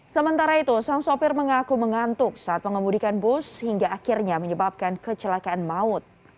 sementara itu sang sopir mengaku mengantuk saat mengemudikan bus hingga akhirnya menyebabkan kecelakaan maut